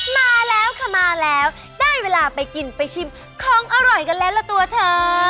มาแล้วค่ะมาแล้วได้เวลาไปกินไปชิมของอร่อยกันแล้วล่ะตัวเธอ